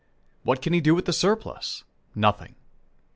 What can he do with the surplus? Nothing.